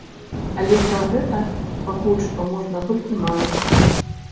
Але пра гэта пакуль што можна толькі марыць.